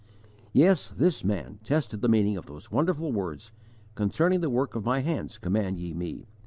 Yes, this man tested the meaning of those wonderful words: "concerning the work of My hands command ye Me."